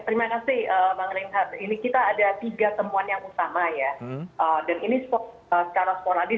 ya terima kasih